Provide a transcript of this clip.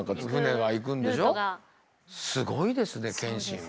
すごいですね謙信は。